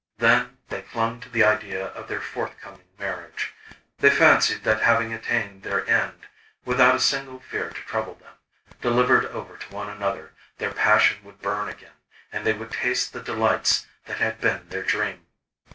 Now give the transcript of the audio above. Then, they clung to the idea of their forthcoming marriage. They fancied that having attained their end, without a single fear to trouble them, delivered over to one another, their passion would burn again, and they would taste the delights that had been their dream.